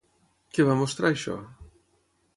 Què va mostrar això?